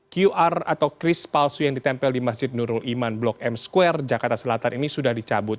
qr atau kris palsu yang ditempel di masjid nurul iman blok m square jakarta selatan ini sudah dicabut